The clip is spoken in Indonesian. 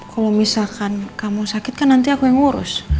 kalau misalkan kamu sakit kan nanti aku yang ngurus